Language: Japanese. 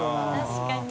確かに。